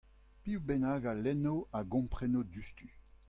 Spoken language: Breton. Piv bennak a lenno a gompreno diouzhtu.